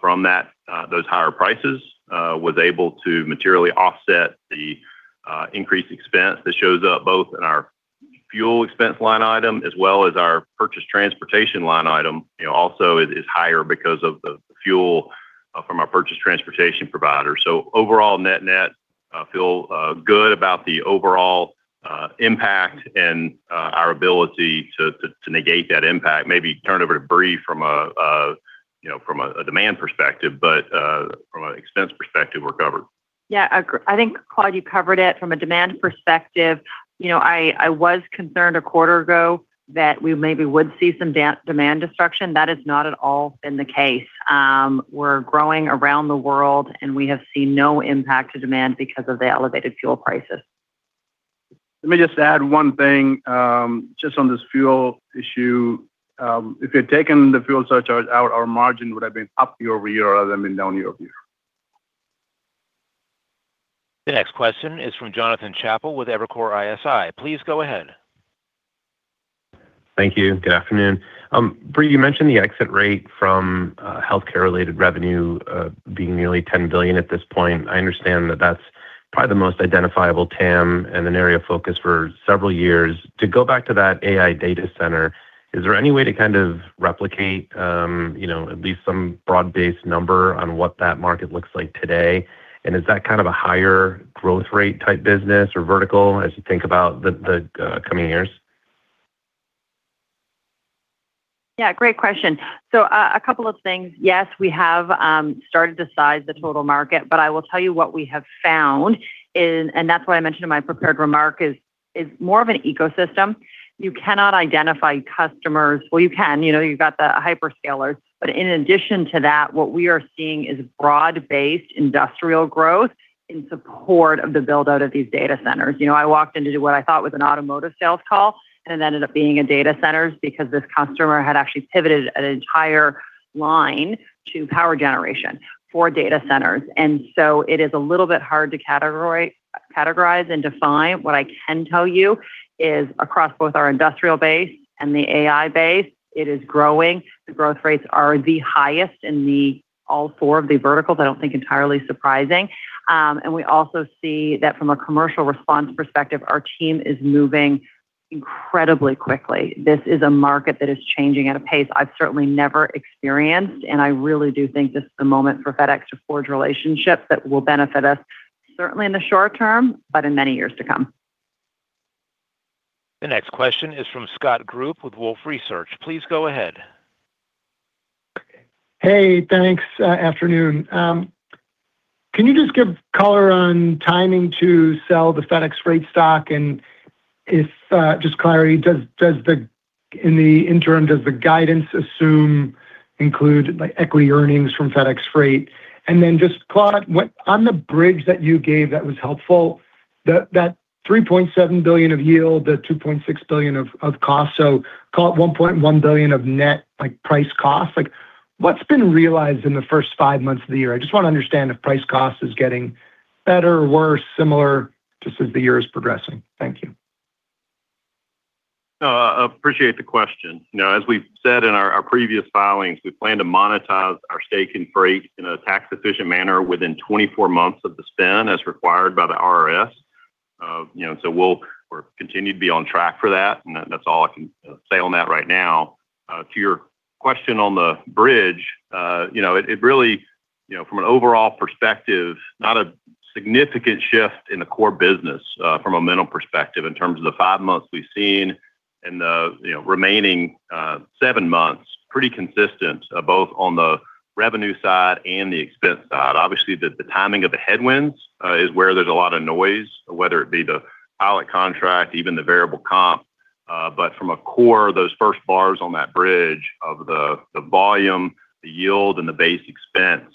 from those higher prices was able to materially offset the increased expense that shows up both in our fuel expense line item as well as our purchase transportation line item. Also, it is higher because of the fuel from our purchase transportation provider. Overall net net, I feel good about the overall impact and our ability to negate that impact. Maybe turn it over to Brie from a demand perspective, from an expense perspective, we're covered. Yeah. I think, Claude, you covered it. From a demand perspective, I was concerned a quarter ago that we maybe would see some demand destruction. That has not at all been the case. We're growing around the world, we have seen no impact to demand because of the elevated fuel prices. Let me just add one thing. Just on this fuel issue. If you had taken the fuel surcharge out, our margin would have been up year-over-year rather than being down year-over-year. The next question is from Jonathan Chappell with Evercore ISI. Please go ahead. Thank you. Good afternoon. Brie, you mentioned the exit rate from healthcare-related revenue being nearly $10 billion at this point. I understand that that's probably the most identifiable TAM and an area of focus for several years. To go back to that AI data center, is there any way to kind of replicate at least some broad-based number on what that market looks like today? Is that kind of a higher growth rate type business or vertical as you think about the coming years? Yeah. Great question. A couple of things. Yes, we have started to size the total market, I will tell you what we have found is, that's why I mentioned in my prepared remark, is more of an ecosystem. You cannot identify customers. Well, you can. You've got the hyperscalers. In addition to that, what we are seeing is broad-based industrial growth in support of the build-out of these data centers. I walked into what I thought was an automotive sales call, it ended up being a data centers because this customer had actually pivoted an entire line to power generation for data centers. It is a little bit hard to categorize and define. What I can tell you is across both our industrial base and the AI base, it is growing. The growth rates are the highest in all four of the verticals. I don't think entirely surprising. We also see that from a commercial response perspective, our team is moving incredibly quickly. This is a market that is changing at a pace I've certainly never experienced, and I really do think this is the moment for FedEx to forge relationships that will benefit us certainly in the short term, but in many years to come. The next question is from Scott Group with Wolfe Research. Please go ahead. Hey, thanks. Afternoon. Can you just give color on timing to sell the FedEx Freight stock? Just clarity, in the interim, does the guidance assume include equity earnings from FedEx Freight? Then just Claude, on the bridge that you gave that was helpful, that $3.7 billion of yield, the $2.6 billion of cost. So call it $1.1 billion of net price cost. What's been realized in the first five months of the year? I just want to understand if price cost is getting better or worse, similar, just as the year is progressing. Thank you. Appreciate the question. As we've said in our previous filings, we plan to monetize our stake in Freight in a tax-efficient manner within 24 months of the spin, as required by the IRS. We'll continue to be on track for that, and that's all I can say on that right now. To your question on the bridge. It really, from an overall perspective, not a significant shift in the core business from a mental perspective in terms of the five months we've seen and the remaining seven months. Pretty consistent both on the revenue side and the expense side. Obviously, the timing of the headwinds is where there's a lot of noise, whether it be the pilot contract, even the variable comp. From a core, those first bars on that bridge of the volume, the yield, and the base expense,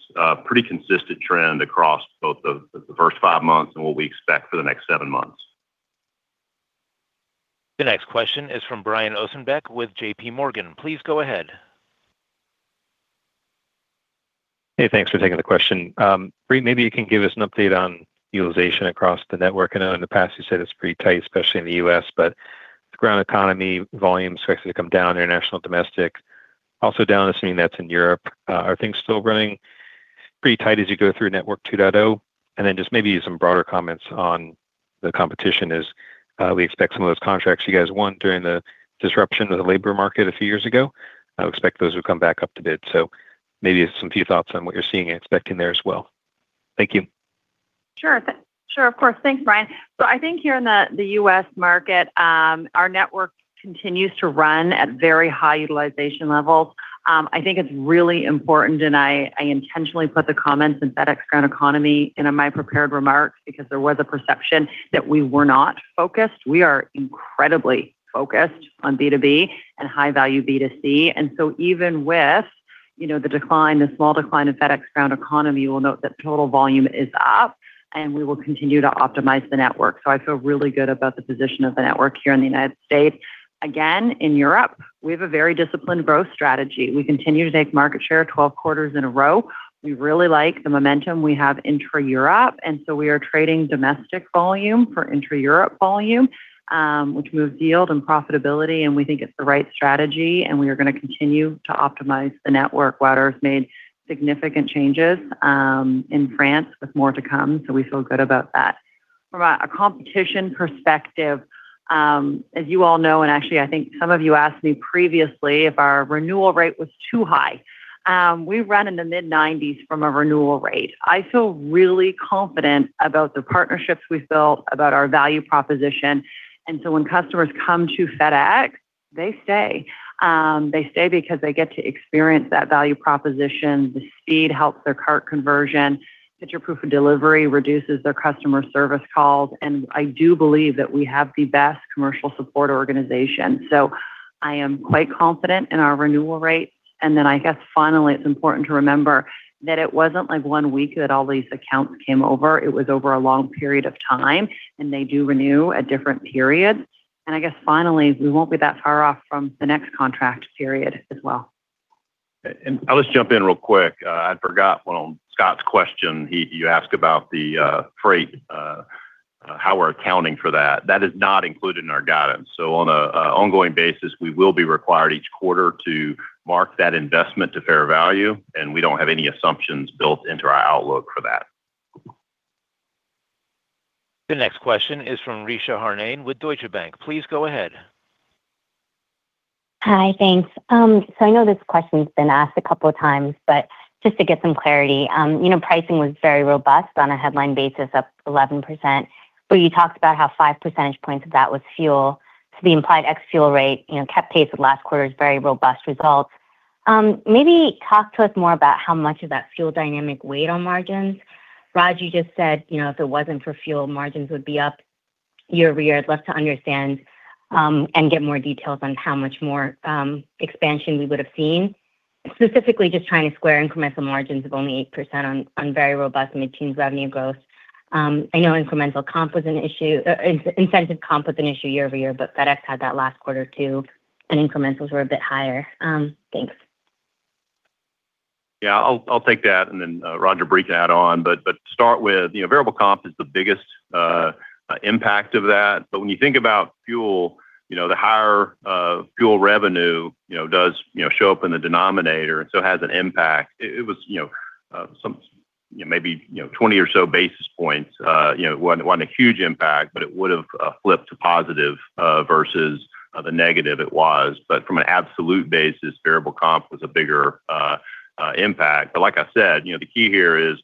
pretty consistent trend across both the first five months and what we expect for the next seven months. The next question is from Brian Ossenbeck with JPMorgan. Please go ahead. Hey, thanks for taking the question. Brie, maybe you can give us an update on utilization across the network. I know in the past you said it's pretty tight, especially in the U.S., but with FedEx Ground Economy volume expected to come down, international, domestic also down, assuming that's in Europe. Are things still running pretty tight as you go through Network 2.0? Just maybe some broader comments on the competition as we expect some of those contracts you guys won during the disruption of the labor market a few years ago. I would expect those will come back up to bid. Maybe just some few thoughts on what you're seeing and expecting there as well. Thank you. Sure. Of course. Thanks, Brian. I think here in the U.S. market, our network continues to run at very high utilization levels. I think it's really important, and I intentionally put the comments in FedEx Ground Economy in my prepared remarks because there was a perception that we were not focused. We are incredibly focused on B2B and high-value B2C. Even with the decline, the small decline in FedEx Ground Economy, you will note that total volume is up, and we will continue to optimize the network. I feel really good about the position of the network here in the United States. Again, in Europe, we have a very disciplined growth strategy. We continue to take market share 12 quarters in a row. We really like the momentum we have intra-Europe. We are trading domestic volume for intra-Europe volume, which moves yield and profitability. We think it's the right strategy. We are going to continue to optimize the network. Frédéric has made significant changes in France with more to come. We feel good about that. From a competition perspective, as you all know, actually, I think some of you asked me previously if our renewal rate was too high. We run in the mid-90%s from a renewal rate. I feel really confident about the partnerships we've built, about our value proposition. When customers come to FedEx, they stay. They stay because they get to experience that value proposition. The speed helps their cart conversion. Signature proof of delivery reduces their customer service calls. I do believe that we have the best commercial support organization. I am quite confident in our renewal rates. Then I guess finally, it's important to remember that it wasn't like one week that all these accounts came over. It was over a long period of time. They do renew at different periods. I guess finally, we won't be that far off from the next contract period as well. I'll just jump in real quick. I'd forgot on Scott's question. You asked about the freight, how we're accounting for that. That is not included in our guidance. On an ongoing basis, we will be required each quarter to mark that investment to fair value. We don't have any assumptions built into our outlook for that. The next question is from Richa Harnain with Deutsche Bank. Please go ahead. Hi, thanks. I know this question's been asked a couple of times, but just to get some clarity. Pricing was very robust on a headline basis, up 11%, but you talked about how 5 percentage points of that was fuel. The implied ex-fuel rate kept pace with last quarter's very robust results. Maybe talk to us more about how much of that fuel dynamic weighed on margins. Raj, you just said if it wasn't for fuel, margins would be up year-over-year. I'd love to understand and get more details on how much more expansion we would have seen. Specifically, just trying to square incremental margins of only 8% on very robust mid-teens revenue growth. I know incentive comp was an issue year-over-year, but FedEx had that last quarter too, and incrementals were a bit higher. Thanks. Yeah, I'll take that and then Raj will briefly add on. To start with, variable comp is the biggest impact of that. When you think about fuel, the higher fuel revenue does show up in the denominator and has an impact. It was maybe 20 or so basis points. It wasn't a huge impact, but it would have flipped to positive, versus the negative it was. From an absolute basis, variable comp was a bigger impact. Like I said, the key here is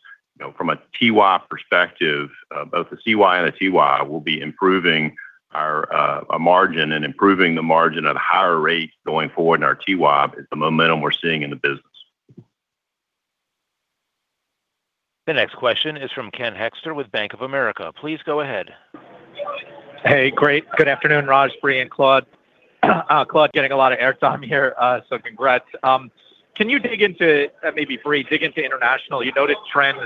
from a TY perspective, both the CY and the TY will be improving our margin and improving the margin at a higher rate going forward in our TY with the momentum we're seeing in the business. The next question is from Ken Hoexter with Bank of America. Please go ahead. Hey, great. Good afternoon, Raj, Brie, and Claude. Claude getting a lot of air time here, congrats. Can you dig into, maybe Brie, dig into international? You noted trends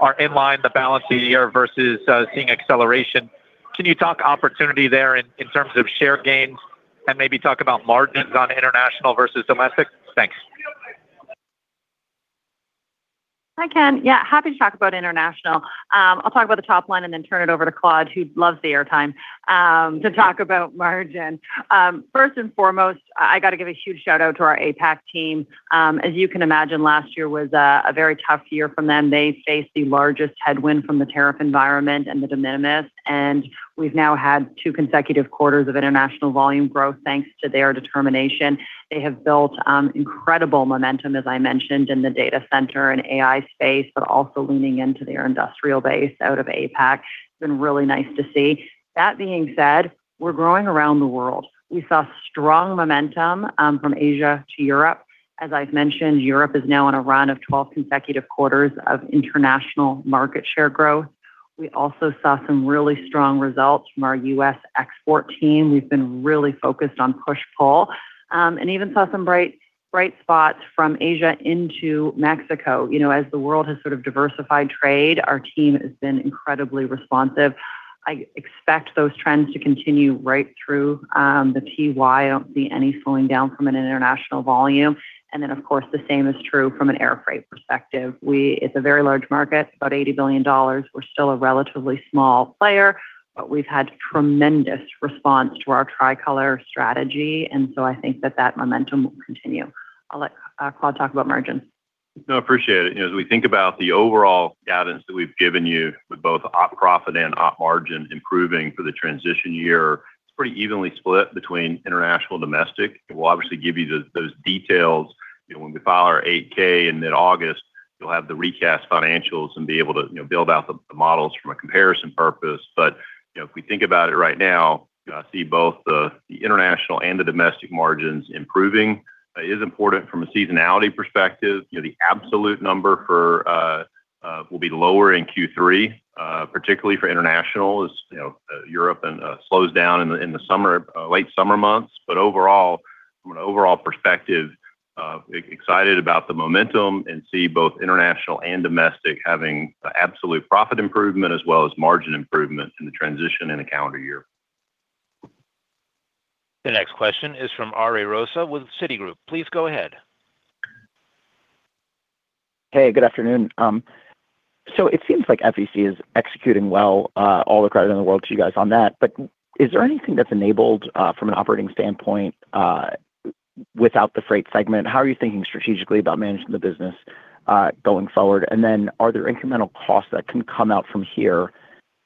are in line the balance of the year versus seeing acceleration. Can you talk opportunity there in terms of share gains and maybe talk about margins on international versus domestic? Thanks. Hi, Ken. Happy to talk about international. I'll talk about the top line and then turn it over to Claude, who loves the air time to talk about margin. First and foremost, I got to give a huge shout-out to our APAC team. As you can imagine, last year was a very tough year for them. They faced the largest headwind from the tariff environment and the de minimis, and we've now had two consecutive quarters of international volume growth, thanks to their determination. They have built incredible momentum, as I mentioned, in the data center and AI space, but also leaning into their industrial base out of APAC. It's been really nice to see. That being said, we're growing around the world. We saw strong momentum from Asia to Europe. As I've mentioned, Europe is now on a run of 12 consecutive quarters of international market share growth. We also saw some really strong results from our U.S. export team. We've been really focused on push-pull. Even saw some bright spots from Asia into Mexico. As the world has sort of diversified trade, our team has been incredibly responsive. I expect those trends to continue right through the TY. I don't see any slowing down from an international volume. Of course, the same is true from an air freight perspective. It's a very large market, about $80 billion. We're still a relatively small player, but we've had tremendous response to our Tricolor strategy, so I think that that momentum will continue. I'll let Claude talk about margin. I appreciate it. As we think about the overall guidance that we've given you with both op profit and op margin improving for the transition year, it's pretty evenly split between international and domestic. We'll obviously give you those details when we file our 8-K in mid-August. You'll have the recast financials and be able to build out the models from a comparison purpose. If we think about it right now, I see both the international and the domestic margins improving. It is important from a seasonality perspective. The absolute number will be lower in Q3. Particularly for international, as Europe slows down in the late summer months. From an overall perspective, excited about the momentum and see both international and domestic having absolute profit improvement as well as margin improvement in the transition in a calendar year. The next question is from Ari Rosa with Citigroup. Please go ahead. Hey, good afternoon. FEC is executing well, all the credit in the world to you guys on that. Is there anything that's enabled from an operating standpoint without the Freight segment? How are you thinking strategically about managing the business going forward? Are there incremental costs that can come out from here?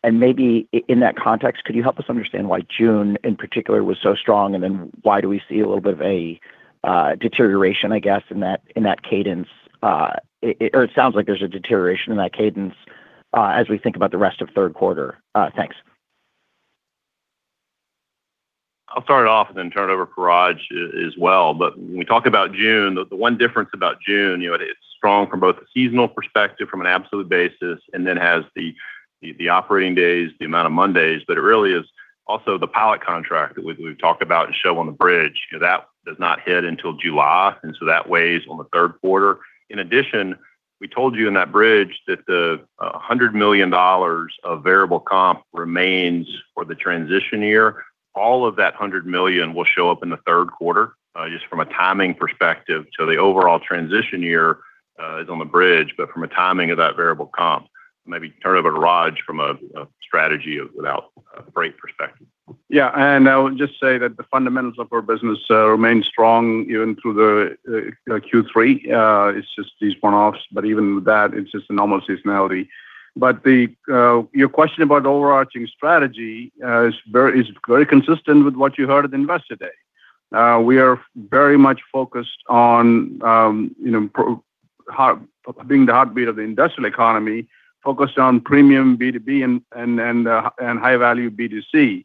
Maybe in that context, could you help us understand why June in particular was so strong? Why do we see a little bit of a deterioration, I guess, in that cadence? Or it sounds like there's a deterioration in that cadence as we think about the rest of third quarter. Thanks. I'll start off and then turn it over to Raj as well. When we talk about June, the one difference about June, it's strong from both a seasonal perspective from an absolute basis, has the operating days, the amount of Mondays, it really is also the pilot contract that we've talked about and show on the bridge. That does not hit until July, that weighs on the third quarter. In addition, we told you in that bridge that the $100 million of variable comp remains for the transition year. All of that $100 million will show up in the third quarter, just from a timing perspective. The overall transition year is on the bridge, from a timing of that variable comp. Maybe turn it over to Raj from a strategy of without a Freight perspective. I would just say that the fundamentals of our business remain strong even through the Q3. It's just these one-offs, even that, it's just a normal seasonality. Your question about overarching strategy is very consistent with what you heard at Investor Day. We are very much focused on being the heartbeat of the industrial economy, focused on premium B2B and high-value B2C.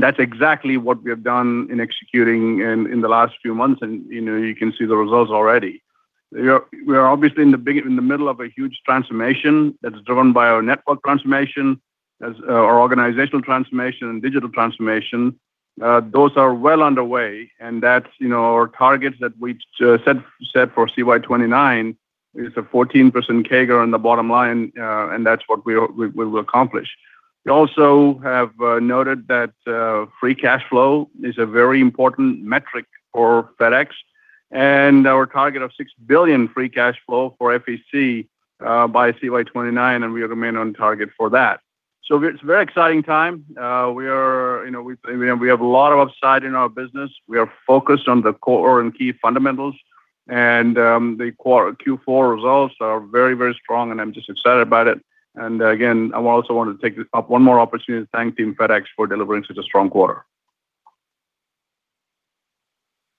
That's exactly what we have done in executing in the last few months, you can see the results already. We are obviously in the middle of a huge transformation that's driven by our network transformation, our organizational transformation, and digital transformation. Those are well underway, that's our targets that we set for CY 2029 is a 14% CAGR on the bottom line, that's what we will accomplish. We also have noted that free cash flow is a very important metric for FedEx, our target of $6 billion free cash flow for FEC by CY 2029, we remain on target for that. It's a very exciting time. We have a lot of upside in our business. We are focused on the core and key fundamentals. The Q4 results are very, very strong, I'm just excited about it. Again, I also want to take up one more opportunity to thank Team FedEx for delivering such a strong quarter.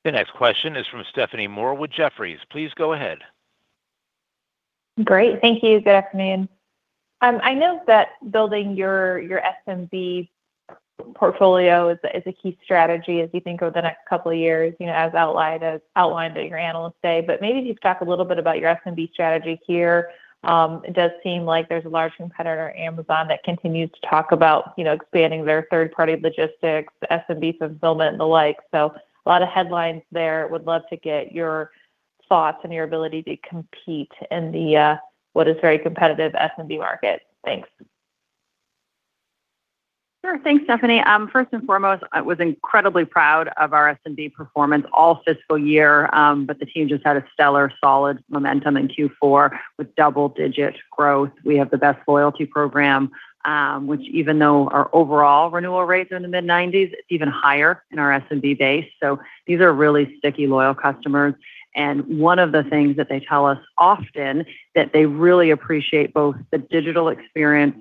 The next question is from Stephanie Moore with Jefferies. Please go ahead. Great. Thank you. Good afternoon. I know that building your SMB portfolio is a key strategy as you think over the next couple of years, as outlined at your Analyst Day. Maybe if you could talk a little bit about your SMB strategy here. It does seem like there's a large competitor, Amazon, that continues to talk about expanding their third-party logistics, SMB fulfillment and the like. A lot of headlines there. Would love to get your thoughts and your ability to compete in what is a very competitive SMB market. Thanks. Sure. Thanks, Stephanie. First and foremost, I was incredibly proud of our SMB performance all fiscal year, but the team just had a stellar, solid momentum in Q4 with double-digit growth. We have the best loyalty program, which even though our overall renewal rates are in the mid-90%s, it's even higher in our SMB base. These are really sticky, loyal customers. One of the things that they tell us often, that they really appreciate both the digital experience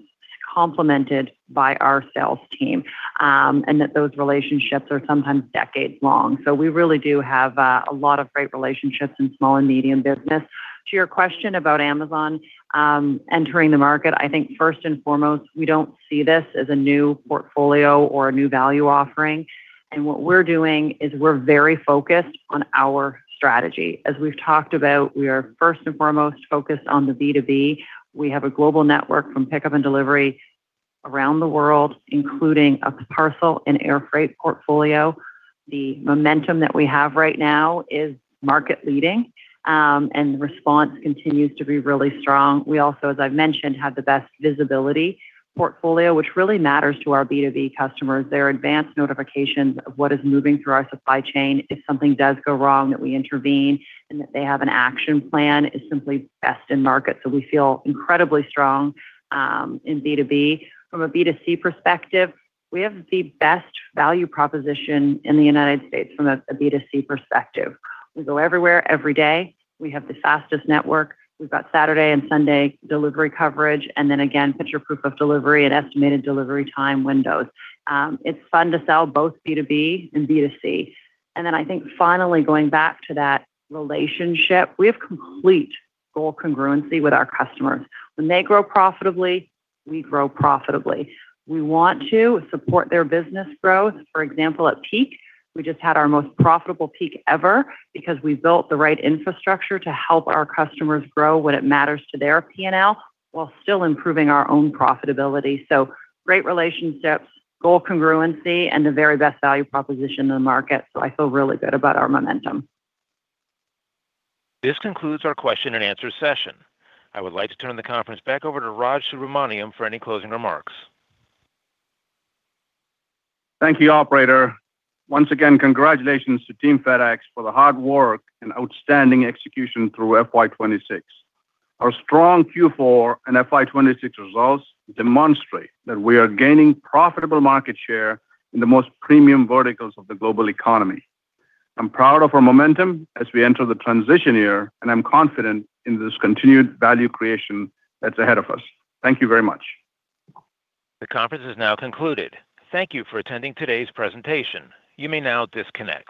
complemented by our sales team, and that those relationships are sometimes decades long. We really do have a lot of great relationships in small and medium business. To your question about Amazon entering the market, I think first and foremost, we don't see this as a new portfolio or a new value offering. What we're doing is we're very focused on our strategy. As we've talked about, we are first and foremost focused on the B2B. We have a global network from pickup and delivery around the world, including a parcel and air freight portfolio. The momentum that we have right now is market leading, and the response continues to be really strong. We also, as I've mentioned, have the best visibility portfolio, which really matters to our B2B customers. Their advanced notifications of what is moving through our supply chain, if something does go wrong, that we intervene, and that they have an action plan is simply best in market. We feel incredibly strong in B2B. From a B2C perspective, we have the best value proposition in the United States from a B2C perspective. We go everywhere every day. We have the fastest network. We've got Saturday and Sunday delivery coverage. Then again, picture proof of delivery and estimated delivery time windows. It's fun to sell both B2B and B2C. Then I think finally going back to that relationship, we have complete goal congruency with our customers. When they grow profitably, we grow profitably. We want to support their business growth. For example, at peak, we just had our most profitable peak ever because we built the right infrastructure to help our customers grow when it matters to their P&L while still improving our own profitability. Great relationships, goal congruency, and the very best value proposition in the market. I feel really good about our momentum. This concludes our question and answer session. I would like to turn the conference back over to Raj Subramaniam for any closing remarks. Thank you, operator. Once again, congratulations to Team FedEx for the hard work and outstanding execution through FY 2026. Our strong Q4 and FY 2026 results demonstrate that we are gaining profitable market share in the most premium verticals of the global economy. I'm proud of our momentum as we enter the transition year, I'm confident in this continued value creation that's ahead of us. Thank you very much. The conference is now concluded. Thank you for attending today's presentation. You may now disconnect.